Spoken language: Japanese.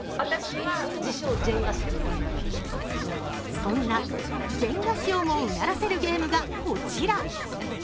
そんなジェンガ師をもうならせるゲームがこちら。